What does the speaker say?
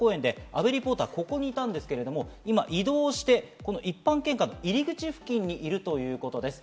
阿部リポーターはここにいましたが、今、移動して、一般献花の入り口付近にいるということです。